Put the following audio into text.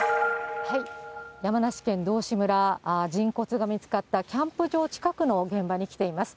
山梨県道志村、人骨が見つかったキャンプ場近くの現場に来ています。